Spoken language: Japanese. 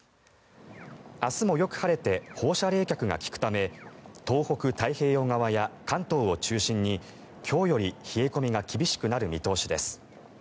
明日もよく晴れて放射冷却が利くため東北太平洋側や関東を中心に今日より冷え込みが厳しくなる見通しです。